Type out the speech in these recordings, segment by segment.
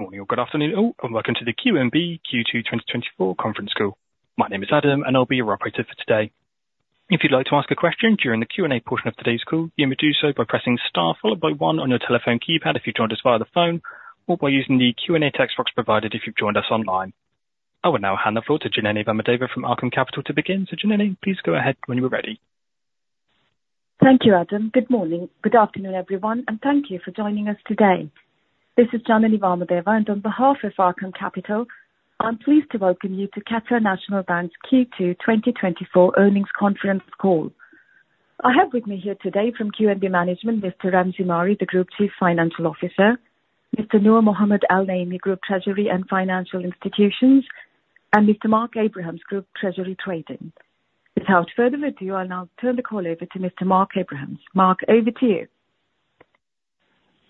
Good morning or good afternoon, all, and welcome to the QNB Q2 2024 conference call. My name is Adam, and I'll be your operator for today. If you'd like to ask a question during the Q&A portion of today's call, you may do so by pressing star followed by one on your telephone keypad if you joined us via the phone, or by using the Q&A text box provided if you've joined us online. I will now hand the floor to Janany Vamadeva from Arqaam Capital to begin. So, Janany, please go ahead when you are ready. Thank you, Adam. Good morning. Good afternoon, everyone, and thank you for joining us today. This is Janany Vamadeva, and on behalf of Arqaam Capital, I'm pleased to welcome you to Qatar National Bank's Q2 2024 earnings conference call. I have with me here today from QNB Management, Mr. Ramzi Mari, the Group Chief Financial Officer, Mr. Noor Mohd Al-Naimi, Group Treasury and Financial Institutions, and Mr. Mark Abrahams, Group Treasury Trading. Without further ado, I'll now turn the call over to Mr. Mark Abrahams. Mark, over to you.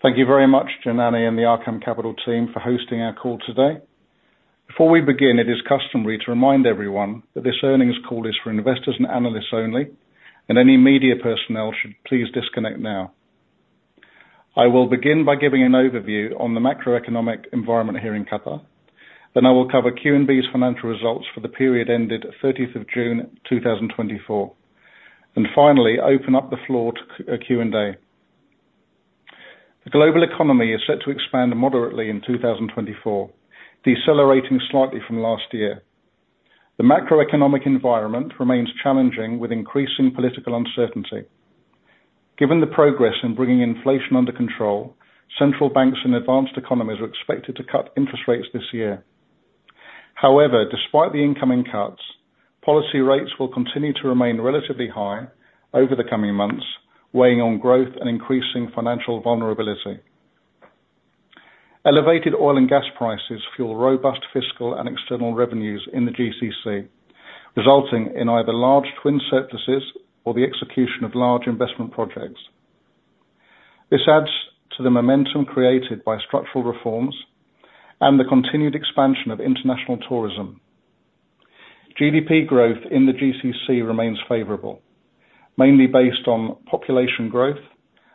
Thank you very much, Janany, and the Arqaam Capital team for hosting our call today. Before we begin, it is customary to remind everyone that this earnings call is for investors and analysts only, and any media personnel should please disconnect now. I will begin by giving an overview on the macroeconomic environment here in Qatar. Then I will cover QNB's financial results for the period ended 30th of June, 2024, and finally, open up the floor to Q&A. The global economy is set to expand moderately in 2024, decelerating slightly from last year. The macroeconomic environment remains challenging, with increasing political uncertainty. Given the progress in bringing inflation under control, central banks and advanced economies are expected to cut interest rates this year. However, despite the incoming cuts, policy rates will continue to remain relatively high over the coming months, weighing on growth and increasing financial vulnerability. Elevated oil and gas prices fuel robust fiscal and external revenues in the GCC, resulting in either large twin surpluses or the execution of large investment projects. This adds to the momentum created by structural reforms and the continued expansion of international tourism. GDP growth in the GCC remains favorable, mainly based on population growth,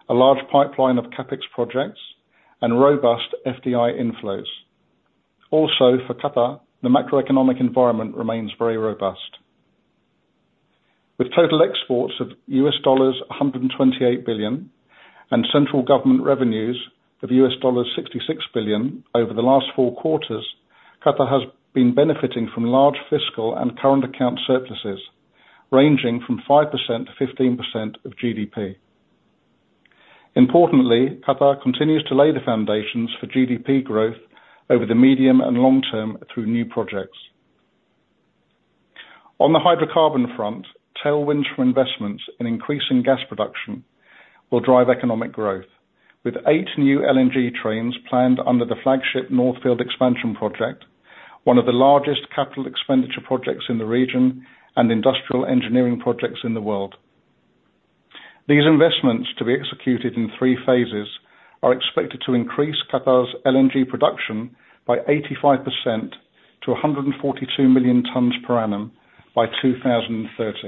a large pipeline of CapEx projects, and robust FDI inflows. Also, for Qatar, the macroeconomic environment remains very robust. With total exports of $128 billion, and central government revenues of $66 billion over the last four quarters, Qatar has been benefiting from large fiscal and current account surpluses, ranging from 5%-15% of GDP. Importantly, Qatar continues to lay the foundations for GDP growth over the medium and long term through new projects. On the hydrocarbon front, tailwinds from investments in increasing gas production will drive economic growth, with eight new LNG trains planned under the flagship North Field Expansion Project, one of the largest capital expenditure projects in the region and industrial engineering projects in the world. These investments, to be executed in three phases, are expected to increase Qatar's LNG production by 85% to 142 million tons per annum by 2030.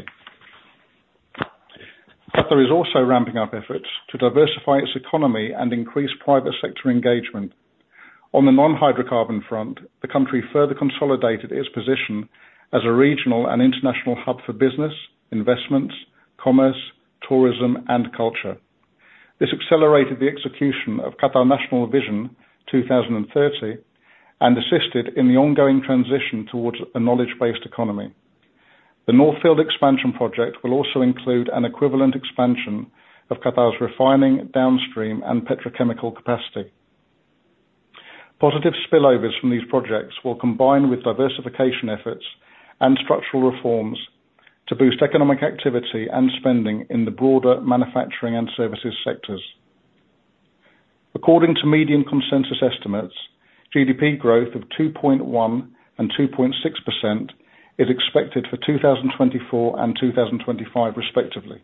Qatar is also ramping up efforts to diversify its economy and increase private sector engagement. On the non-hydrocarbon front, the country further consolidated its position as a regional and international hub for business, investments, commerce, tourism, and culture. This accelerated the execution of Qatar National Vision 2030 and assisted in the ongoing transition towards a knowledge-based economy. The North Field Expansion Project will also include an equivalent expansion of Qatar's refining, downstream, and petrochemical capacity. Positive spillovers from these projects will combine with diversification efforts and structural reforms to boost economic activity and spending in the broader manufacturing and services sectors. According to median consensus estimates, GDP growth of 2.1% and 2.6% is expected for 2024 and 2025 respectively,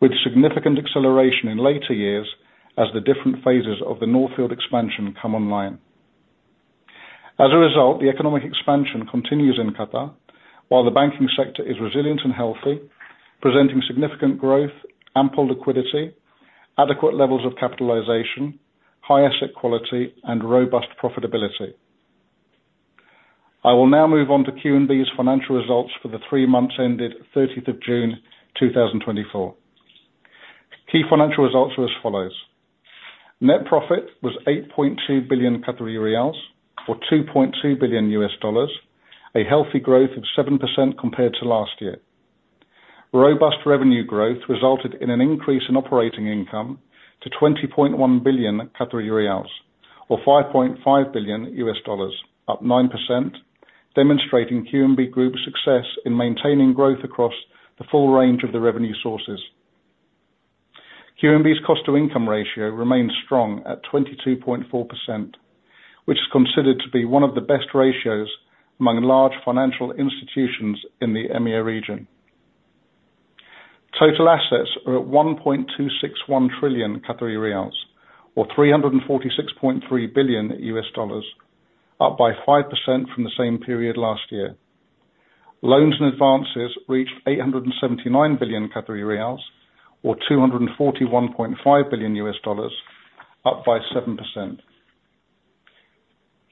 with significant acceleration in later years as the different phases of the North Field Expansion come online. As a result, the economic expansion continues in Qatar, while the banking sector is resilient and healthy, presenting significant growth, ample liquidity, adequate levels of capitalization, high asset quality, and robust profitability. I will now move on to QNB's financial results for the three months ended 30th of June, two thousand and twenty-four. Key financial results are as follows: Net profit was 8.2 billion Qatari riyals, or $2.2 billion, a healthy growth of 7% compared to last year. Robust revenue growth resulted in an increase in operating income to 20.1 billion Qatari riyals, or $5.5 billion, up 9%, demonstrating QNB Group's success in maintaining growth across the full range of the revenue sources. QNB's cost-to-income ratio remains strong at 22.4%, which is considered to be one of the best ratios among large financial institutions in the EMEA region. Total assets are at 1.261 trillion Qatari riyals, or $346.3 billion, up by 5% from the same period last year. Loans and advances reached 879 billion Qatari riyals, or $241.5 billion, up by 7%.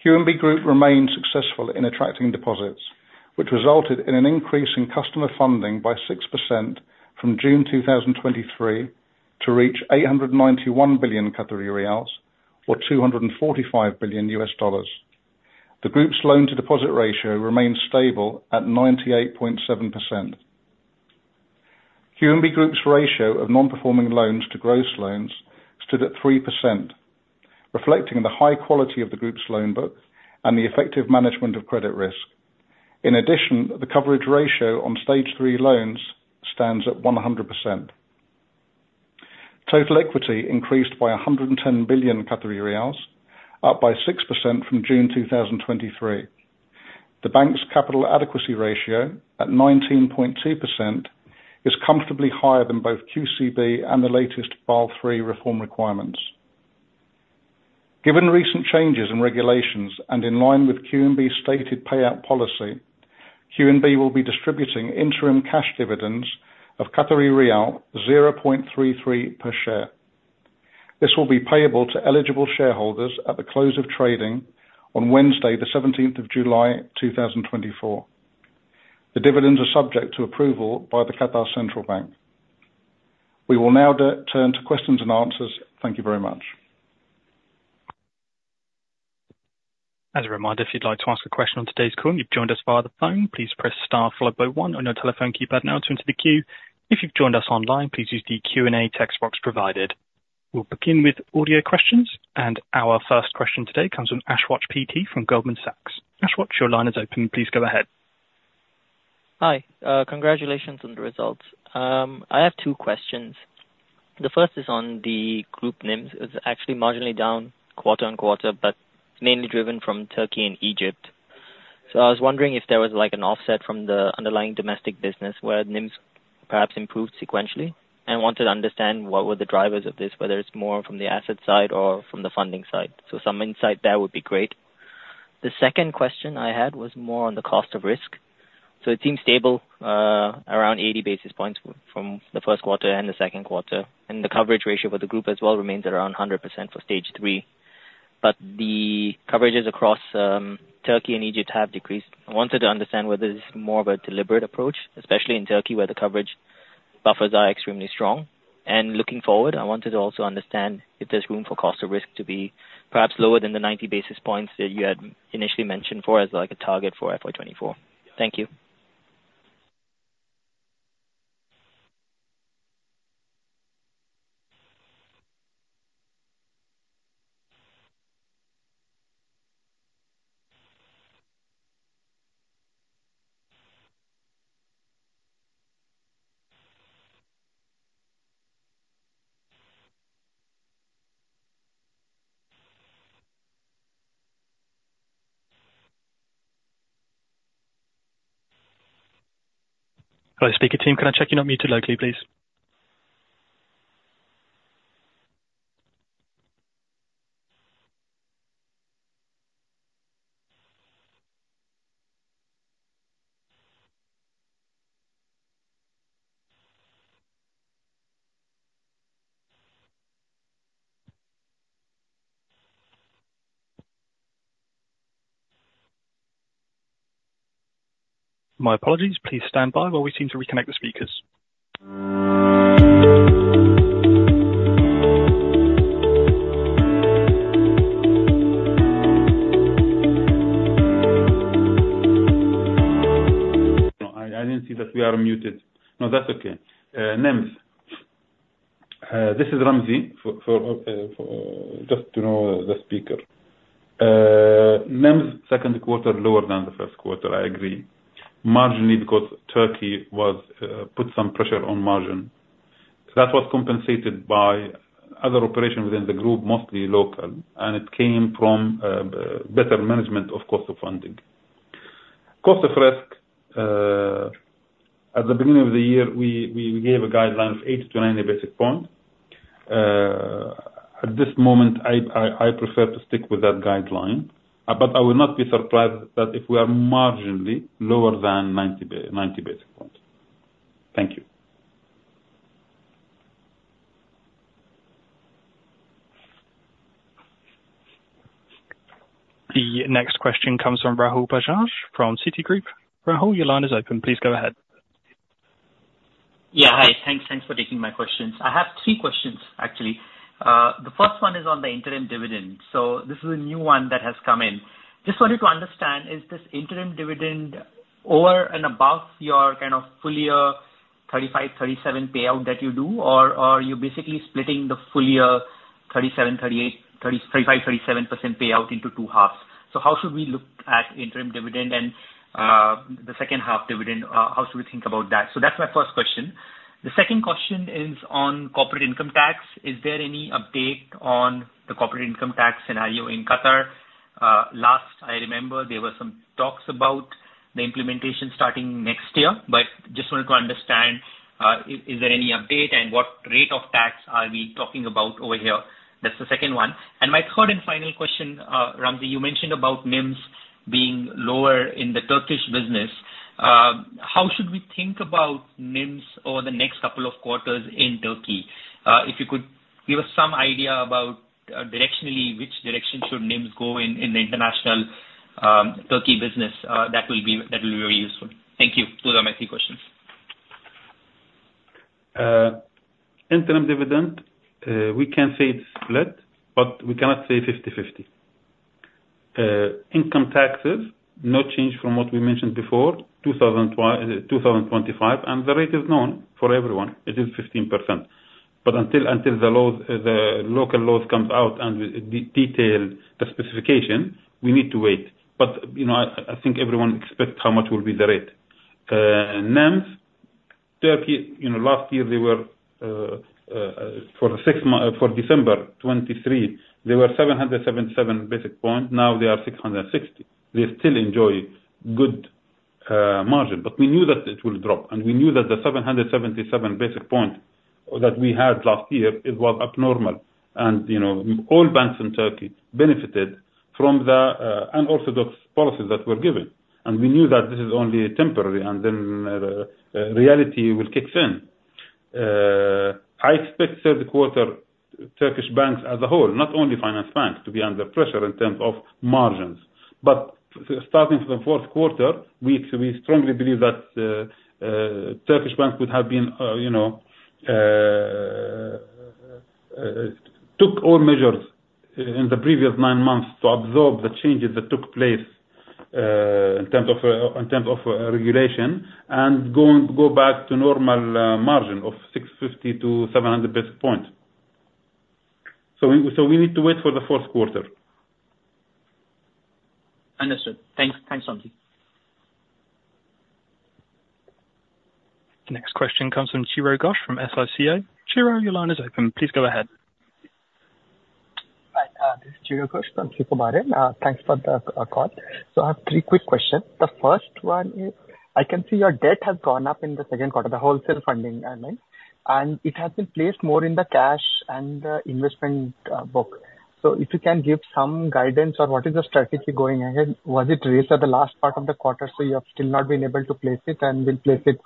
QNB Group remained successful in attracting deposits, which resulted in an increase in customer funding by 6% from June 2023, to reach 891 billion Qatari riyals, or $245 billion. The group's loan to deposit ratio remains stable at 98.7%. QNB Group's ratio of non-performing loans to gross loans stood at 3%, reflecting the high quality of the group's loan book and the effective management of credit risk. In addition, the coverage ratio on Stage 3 loans stands at 100%. Total equity increased by 110 billion Qatari riyals, up by 6% from June 2023. The bank's capital adequacy ratio, at 19.2%, is comfortably higher than both QCB and the latest Basel III reform requirements. Given recent changes in regulations and in line with QNB's stated payout policy, QNB will be distributing interim cash dividends of Qatari riyal 0.33 per share. This will be payable to eligible shareholders at the close of trading on Wednesday, the 17th of July 2024. The dividends are subject to approval by the Qatar Central Bank. We will now turn to questions and answers. Thank you very much. As a reminder, if you'd like to ask a question on today's call and you've joined us via the phone, please press star followed by one on your telephone keypad now to enter the queue. If you've joined us online, please use the Q&A text box provided. We'll begin with audio questions, and our first question today comes from Ashwath PT from Goldman Sachs. Ashwat, your line is open. Please go ahead. Hi, congratulations on the results. I have two questions. The first is on the group NIMs. It's actually marginally down quarter-over-quarter, but mainly driven from Turkey and Egypt. So I was wondering if there was, like, an offset from the underlying domestic business where NIMs perhaps improved sequentially? I wanted to understand what were the drivers of this, whether it's more from the asset side or from the funding side. So some insight there would be great. The second question I had was more on the cost of risk. So it seems stable around 80 basis points from the first quarter and the second quarter, and the coverage ratio for the group as well remains at around 100% for Stage 3. But the coverages across Turkey and Egypt have decreased. I wanted to understand whether this is more of a deliberate approach, especially in Turkey, where the coverage buffers are extremely strong. Looking forward, I wanted to also understand if there's room for cost of risk to be perhaps lower than the 90 basis points that you had initially mentioned for, as, like, a target for FY 2024. Thank you. Hello, speaker team, can I check you're not muted locally, please? My apologies. Please stand by while we seem to reconnect the speakers. No, I didn't see that we are muted. No, that's okay. NIMs. This is Ramzi for just to know the speaker. NIMs' second quarter, lower than the first quarter, I agree. Marginally, because Turkey was put some pressure on margin. That was compensated by other operations within the group, mostly local, and it came from better management of cost of funding. Cost of risk, at the beginning of the year, we gave a guideline of 80-90 basis points. At this moment, I prefer to stick with that guideline, but I would not be surprised that if we are marginally lower than 90 basis points. Thank you. The next question comes from Rahul Bajaj from Citigroup. Rahul, your line is open. Please go ahead. Yeah, hi. Thanks. Thanks for taking my questions. I have three questions, actually. The first one is on the interim dividend. So this is a new one that has come in. Just wanted to understand, is this interim dividend over and above your, kind of, full year 35%-37% payout that you do, or, or you're basically splitting the full year 37%, 38%, 35%, 37% payout into two halves? So how should we look at interim dividend and, the second half dividend, how should we think about that? So that's my first question. The second question is on corporate income tax. Is there any update on the corporate income tax scenario in Qatar? Last I remember, there were some talks about the implementation starting next year, but is there any update, and what rate of tax are we talking about over here? That's the second one. And my third and final question, Ramzi, you mentioned about NIMS being lower in the Turkish business. How should we think about NIMS over the next couple of quarters in Turkey? If you could give us some idea about directionally, which direction should NIMS go in the international Turkey business, that will be very useful. Thank you. Those are my three questions. Interim dividend, we can say it's split, but we cannot say 50/50. Income taxes, no change from what we mentioned before, 2025, and the rate is known for everyone. It is 15%. But until the laws, the local laws comes out and detail the specification, we need to wait. But, you know, I think everyone expects how much will be the rate. NIMs, Turkey, you know, last year they were for December 2023, they were 777 basis points, now they are 660. They still enjoy good margin. But we knew that it will drop, and we knew that the 777 basis points that we had last year, it was abnormal. You know, all banks in Turkey benefited from the and also those policies that were given. We knew that this is only temporary, and then reality will kicks in. I expect third quarter Turkish banks as a whole, not only Finansbank, to be under pressure in terms of margins. Starting from the fourth quarter, we strongly believe that Turkish banks would have been, you know, took all measures in the previous nine months to absorb the changes that took place in terms of regulation, and go back to normal margin of 650-700 basis points. So we need to wait for the fourth quarter. Understood. Thanks. Thanks, Ramzi. The next question comes from Chiro Ghosh from SICO. Chiro, your line is open. Please go ahead. Hi, this is Chiro Ghosh from SICO. Thanks for the call. So I have three quick questions. The first one is, I can see your debt has gone up in the second quarter, the wholesale funding, I mean, and it has been placed more in the cash and investment book. So if you can give some guidance on what is the strategy going ahead? Was it raised at the last part of the quarter, so you have still not been able to place it and will place it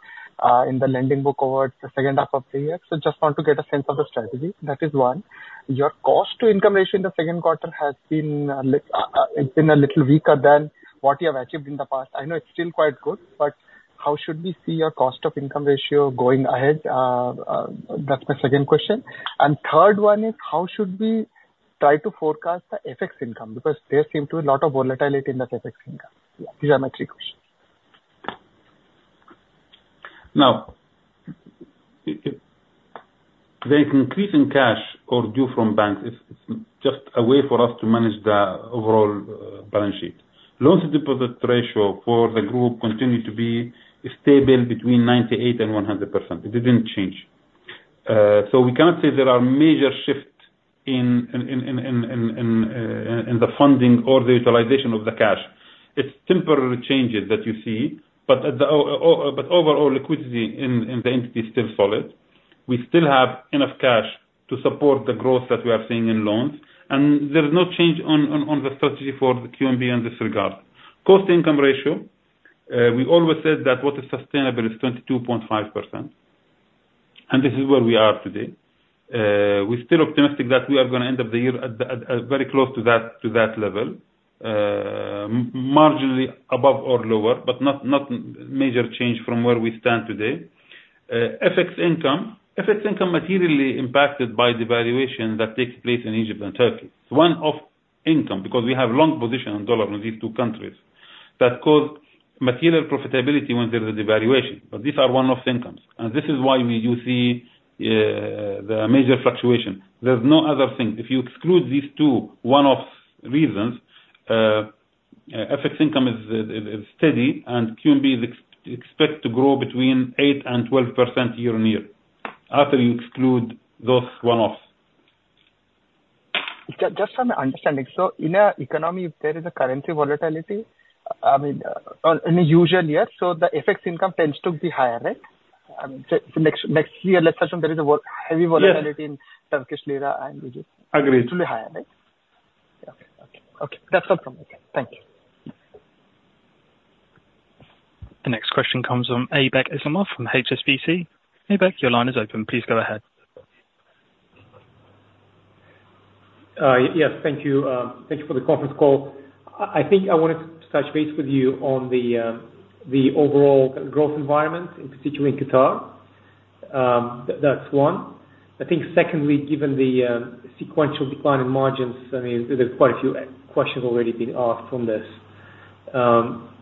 in the lending book over the second half of the year? So just want to get a sense of the strategy. That is one. Your cost-to-income ratio in the second quarter has been a little weaker than what you have achieved in the past. I know it's still quite good, but how should we see your cost-to-income ratio going ahead? That's my second question. Third one is, how should we try to forecast the FX income? Because there seemed to be a lot of volatility in that FX income. These are my three questions. Now, the increase in cash or due from banks is just a way for us to manage the overall balance sheet. Loans to deposit ratio for the group continued to be stable between 98% and 100%. It didn't change. So we can't say there are major shifts in the funding or the utilization of the cash. It's temporary changes that you see, but the overall liquidity in the entity is still solid. We still have enough cash to support the growth that we are seeing in loans, and there is no change on the strategy for the QNB in this regard. Cost to income ratio, we always said that what is sustainable is 22.5%, and this is where we are today. We're still optimistic that we are gonna end up the year at the very close to that level. Marginally above or lower, but not major change from where we stand today. FX income. FX income materially impacted by the valuation that takes place in Egypt and Turkey. One-off income, because we have long position on dollar in these two countries, that caused material profitability when there is a devaluation, but these are one-off incomes. And this is why we usually the major fluctuation. There's no other thing. If you exclude these two one-off reasons, FX income is steady, and QNB is expected to grow between 8%-12% year-on-year, after you exclude those one-offs. Just, just for my understanding. So in an economy, if there is a currency volatility, I mean, on any usual year, so the FX income tends to be higher, right? I mean, so next, next year, let's assume there is a heavy volatility in Turkish lira and Egypt. Yes. Agreed. It will be higher, right? Yeah. Okay. Okay, that's all from me. Thank you. The next question comes from Aybek Islamov, from HSBC. Aybek, your line is open. Please go ahead. Yes, thank you. Thank you for the conference call. I think I wanted to touch base with you on the overall growth environment, in particular in Qatar. That's one. I think secondly, given the sequential decline in margins, there's quite a few questions already been asked on this.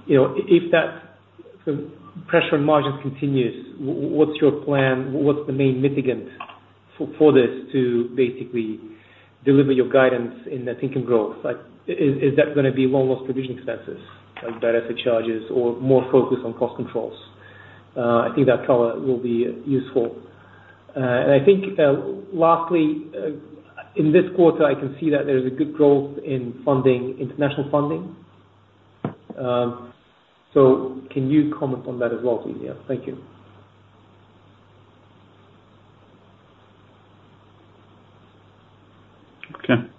You know, if the pressure on margins continues, what's your plan? What's the main mitigant for this to basically deliver your guidance in the income growth? Is that gonna be one-off provision expenses, like direct charges or more focus on cost controls? I think that color will be useful. I think lastly, in this quarter, I can see that there is a good growth in funding, international funding. Can you comment on that as well, please? Yeah. Thank you. Okay. In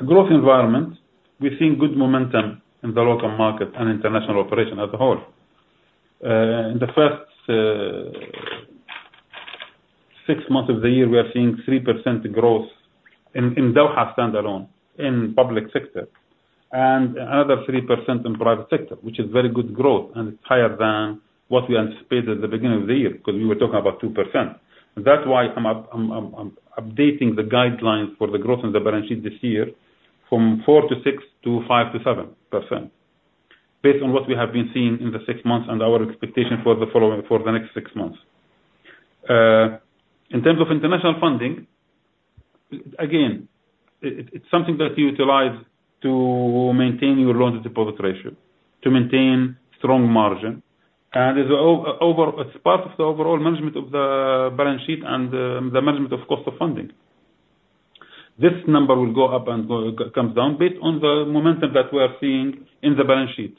a growth environment, we're seeing good momentum in the local market and international operation as a whole. In the first six months of the year, we are seeing 3% growth in Doha standalone, in public sector, and another 3% in private sector, which is very good growth, and it's higher than what we anticipated at the beginning of the year, because we were talking about 2%. And that's why I'm updating the guidelines for the growth in the balance sheet this year from 4%-6% to 5%-7%, based on what we have been seeing in the six months and or expectation for the next six months. In terms of international funding, again, it's something that you utilize to maintain your loan deposit ratio, to maintain strong margin, and it's part of the overall management of the balance sheet and the management of cost of funding. This number will go up and down based on the momentum that we are seeing in the balance sheet.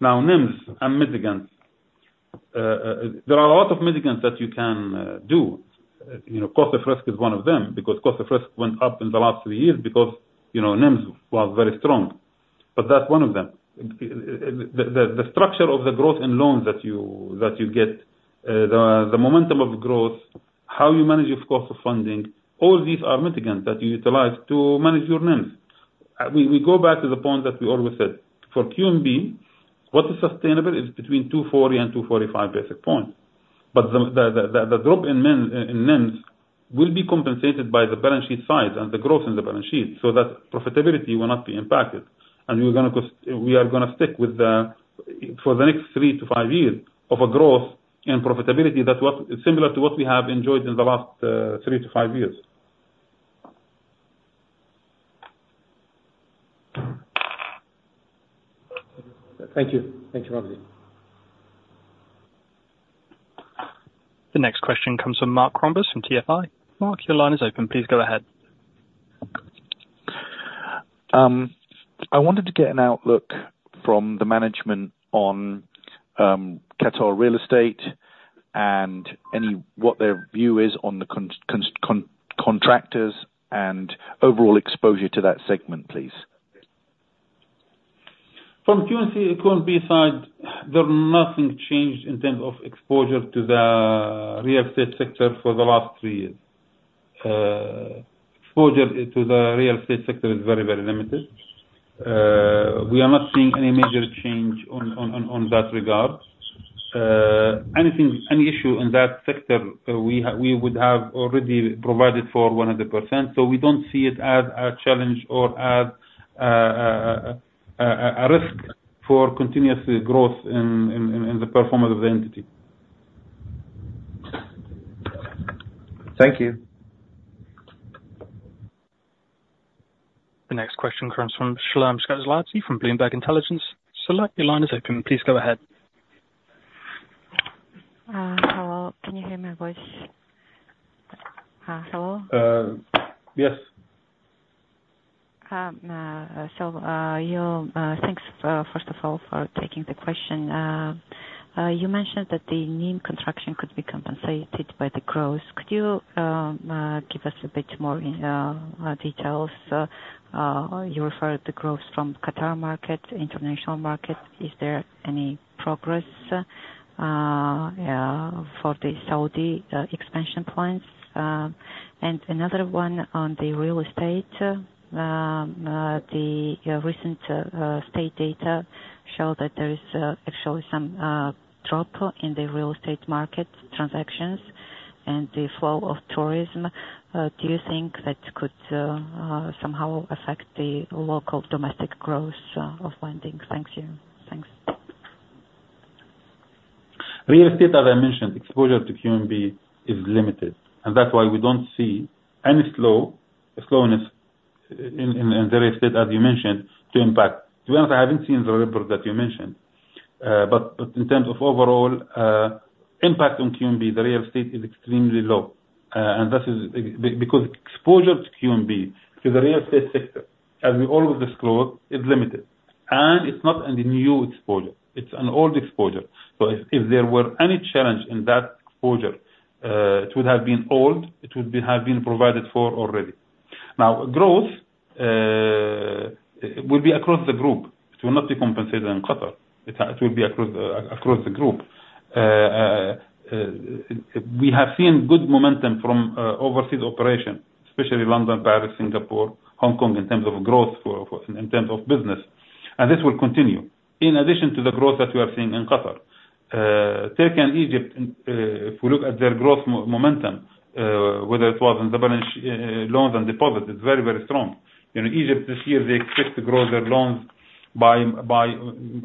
Now, NIMs are mitigants. There are a lot of mitigants that you can do. You know, cost of risk is one of them, because cost of risk went up in the last three years because, you know, NIMs was very strong. But that's one of them. The structure of the growth in loans that you get, the momentum of growth, how you manage your cost of funding, all these are mitigants that you utilize to manage your NIMs. We go back to the point that we always said, for QNB, what is sustainable is between 240 and 245 basis points. But the drop in NIMs will be compensated by the balance sheet side and the growth in the balance sheet, so that profitability will not be impacted. And we are gonna stick with the, for the next three to five years, of a growth and profitability that similar to what we have enjoyed in the last three to five years. Thank you. Thank you, Ramzi. The next question comes from [Mark Crombers] from TFI. Mark, your line is open, please go ahead. I wanted to get an outlook from the management on Qatar real estate, and what their view is on the construction contractors, and overall exposure to that segment, please. From QNB side, there's nothing changed in terms of exposure to the real estate sector for the last three years. Exposure to the real estate sector is very, very limited. We are not seeing any major change on that regard. Anything, any issue in that sector, we would have already provided for 100%, so we don't see it as a challenge or as a risk for continuous growth in the performance of the entity. Thank you. The next question comes from [Shlomo Sklarat] from Bloomberg Intelligence. Shlomo, your line is open. Please go ahead. Hello. Can you hear my voice? Hello? Uh, yes. So, thank you first of all for taking the question. You mentioned that the NIM contraction could be compensated by the growth. Could you give us a bit more in details? You referred the growth from Qatar market, international market. Is there any progress for the Saudi expansion plans? And another one on the real estate. The recent state data show that there is actually some drop in the real estate market transactions and the flow of tourism. Do you think that could somehow affect the local domestic growth of banking? Thank you. Thanks. Real estate, as I mentioned, exposure to QNB is limited, and that's why we don't see any slowness in the real estate, as you mentioned, to impact. To be honest, I haven't seen the report that you mentioned, but, but in terms of overall, impact on QNB, the real estate is extremely low. And this is because exposure to QNB, to the real estate sector, as we always disclose, is limited. And it's not any new exposure, it's an old exposure. So if there were any challenge in that exposure, it would have been old, it would have been provided for already. Now, growth will be across the group. It will not be compensated in Qatar. It will be across the group. We have seen good momentum from overseas operation, especially London, Paris, Singapore, Hong Kong, in terms of growth for, in terms of business, and this will continue, in addition to the growth that we are seeing in Qatar. Turkey and Egypt, if we look at their growth momentum, whether it was in the balance, loans and deposits, it's very, very strong. In Egypt this year, they expect to grow their loans by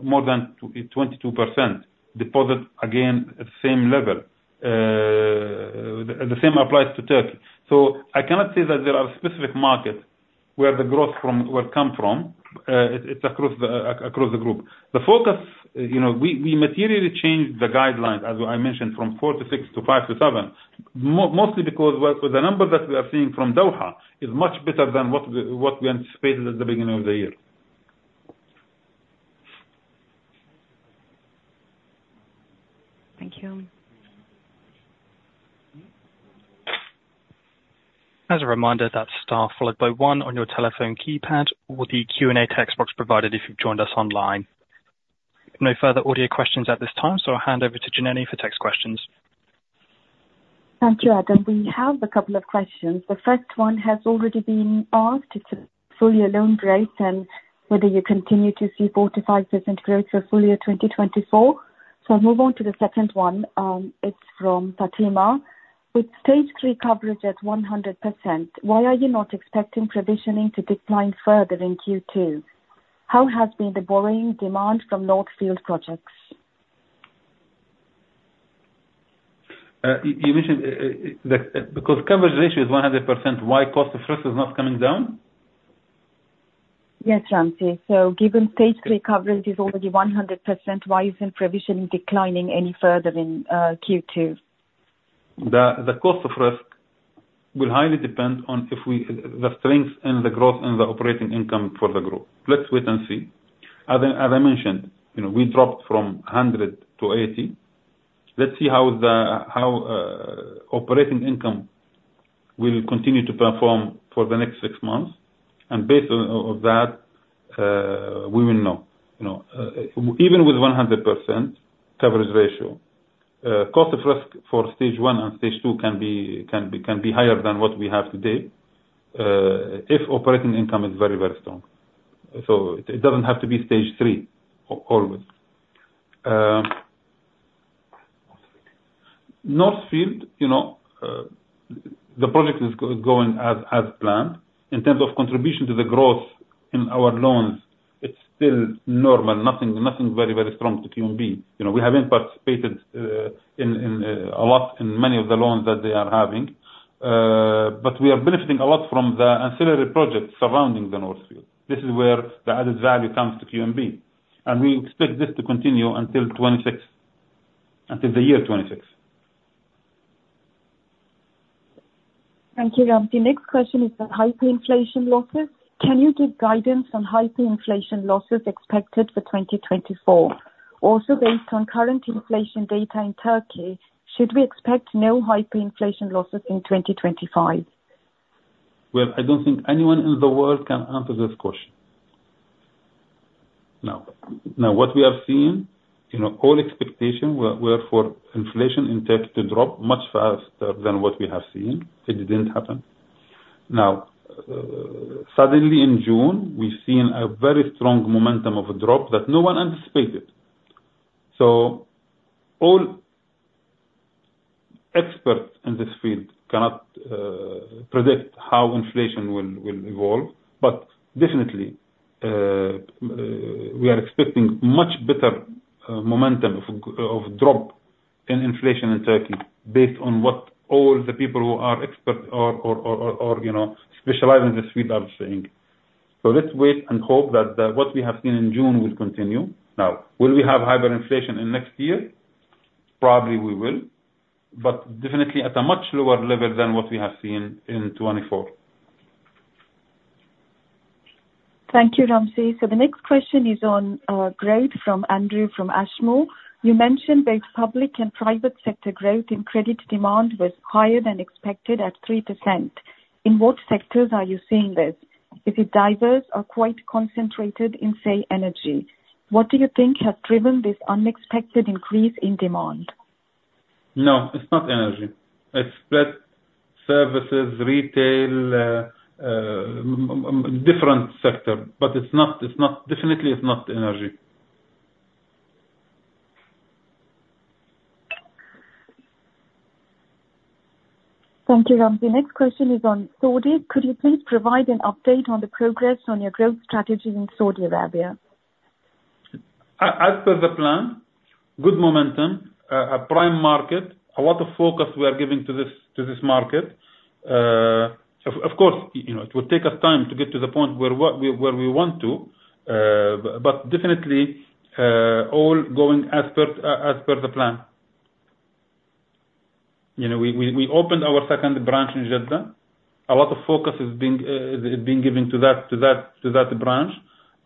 more than 22%. Deposits, again, same level. The same applies to Turkey. I cannot say that there are specific markets where the growth from will come from. It's across the group. The focus, we materially changed the guidelines, as I mentioned, from 4%-6% to 5%-7%, mostly because, well, the number that we are seeing from Doha is much better than what we anticipated at the beginning of the year. Thank you. As a reminder, that's star followed by one on your telephone keypad or the Q&A text box provided if you've joined us online. No further audio questions at this time, so I'll hand over to Janany for text questions. Thank you, Adam. We have a couple of questions. The first one has already been asked. It's a full year loan growth, and whether you continue to see 4%-5% growth for full year 2024. So I'll move on to the second one. It's from Fatima. With Stage 3 coverage at 100%, why are you not expecting provisioning to decline further in Q2? How has been the borrowing demand from North Field projects? You mentioned, because coverage ratio is 100%, why cost of risk is not coming down? Yes, Ramzi. So given Stage 3 coverage is already 100%, why isn't provisioning declining any further in Q2? The cost of risk will highly depend on the strength and the growth in the operating income for the group. Let's wait and see. As I mentioned, you know, we dropped from 100% to 80%. Let's see how the operating income will continue to perform for the next six months, and based on that, we will know. You know, even with 100% coverage ratio, cost of risk for Stage 1 and Stage 2 can be higher than what we have today, if operating income is very, very strong. So it doesn't have to be Stage 3 always. North Field, you know, the project is going as planned. In terms of contribution to the growth in our loans, it's still normal. Nothing, nothing very, very strong to QNB. You know, we haven't participated in a lot in many of the loans that they are having. But we are benefiting a lot from the ancillary projects surrounding the North Field. This is where the added value comes to QNB, and we expect this to continue until 2026, until the year 2026. Thank you, Ramzi. Next question is on hyperinflation losses. Can you give guidance on hyperinflation losses expected for 2024? Also, based on current inflation data in Turkey, should we expect no hyperinflation losses in 2025? Well, I don't think anyone in the world can answer this question. Now, what we have seen, you know, all expectations were for inflation in Turkey to drop much faster than what we have seen. It didn't happen. Now, suddenly in June, we've seen a very strong momentum of a drop that no one anticipated. So all experts in this field cannot predict how inflation will evolve, but definitely, we are expecting much better momentum of drop in inflation in Turkey based on what all the people who are expert or, you know, specialize in this field are saying. So let's wait and hope that what we have seen in June will continue. Now, will we have hyperinflation in next year? Probably we will, but definitely at a much lower level than what we have seen in 2024. Thank you, Ramzi. So the next question is on growth from Andrew, from Ashmore. You mentioned both public and private sector growth in credit demand was higher than expected at 3%. In what sectors are you seeing this? Is it diverse or quite concentrated in, say, energy? What do you think has driven this unexpected increase in demand? No, it's not energy. It's spread, services, retail, different sector, but it's not, definitely it's not energy. Thank you, Ramzi. Next question is on Saudi. Could you please provide an update on the progress on your growth strategy in Saudi Arabia? As per the plan, good momentum, a prime market, a lot of focus we are giving to this, to this market. Of course, you know, it will take us time to get to the point where we want to, but definitely, all going as per the plan. You know, we opened our second branch in Jeddah. A lot of focus is being given to that, to that, to that branch.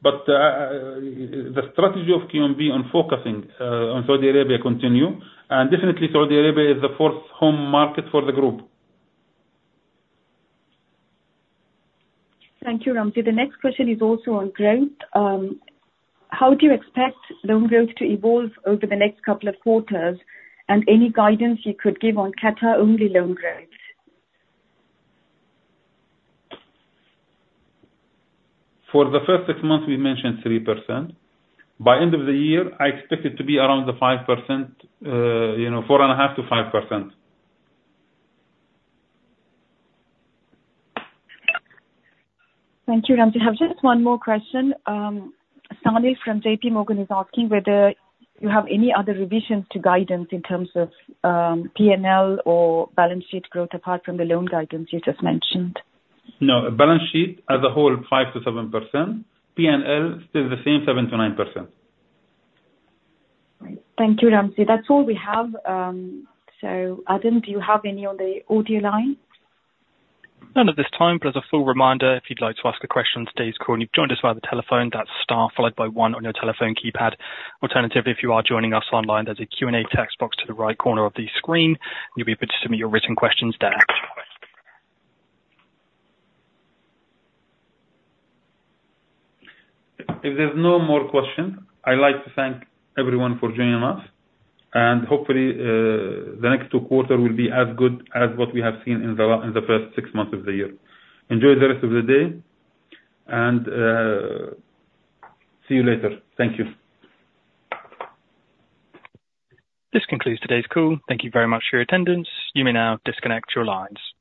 But the strategy of QNB on focusing on Saudi Arabia continue, and definitely Saudi Arabia is the fourth home market for the group. Thank you, Ramzi. The next question is also on growth. How do you expect loan growth to evolve over the next couple of quarters? And any guidance you could give on Qatar-only loan growth? For the first six months, we mentioned 3%. By end of the year, I expect it to be around the 5%, you know, 4.5%-5%. Thank you, Ramzi. I have just one more question. Sunny from JPMorgan is asking whether you have any other revisions to guidance in terms of P&L or balance sheet growth, apart from the loan guidance you just mentioned? No. Balance sheet as a whole, 5%-7%. PNL, still the same, 7%-9%. Right. Thank you, Ramzi. That's all we have. So, Adam, do you have any on the audio line? None at this time, but as a full reminder, if you'd like to ask a question on today's call and you've joined us via the telephone, that's star followed by one on your telephone keypad. Alternatively, if you are joining us online, there's a Q&A text box to the right corner of the screen, and you'll be able to submit your written questions there. If there's no more questions, I'd like to thank everyone for joining us, and hopefully, the next two quarter will be as good as what we have seen in the first six months of the year. Enjoy the rest of the day, and see you later. Thank you. This concludes today's call. Thank you very much for your attendance. You may now disconnect your lines.